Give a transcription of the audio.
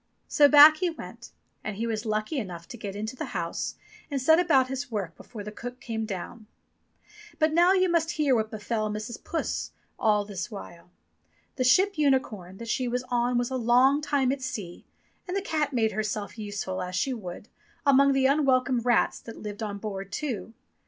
So back he went, and he was lucky enough to get into the house, and set about his work before the cook came down. But now you must hear what befell Mrs. Puss all this 246 ENGLISH FAIRY TALES while. The ship Unicorn that she was on was a long time at sea, and the cat made herself useful, as she would, among the unwelcome rats that lived on board too.